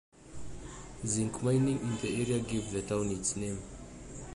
Zinc mining in the area gave the town its name.